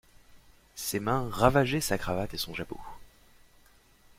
Ses mains ravageaient sa cravate et son jabot.